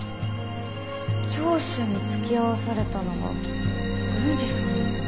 聴取に付き合わされたのが郡司さんのほう。